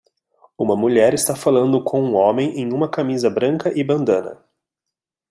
Uma mulher está falando com um homem em uma camisa branca e bandana